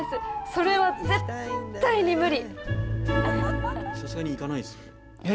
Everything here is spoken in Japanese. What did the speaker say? それは絶っ対に無理！